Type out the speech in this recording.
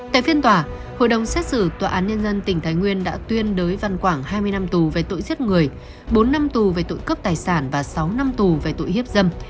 tại phiên tòa hội đồng xét xử tòa án nhân dân tỉnh thái nguyên đã tuyên đới văn quảng hai mươi năm tù về tội giết người bốn năm tù về tội cướp tài sản và sáu năm tù về tội hiếp dâm